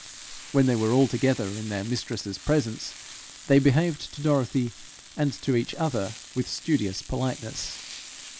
When they were altogether in their mistress's presence, they behaved to Dorothy and to each other with studious politeness.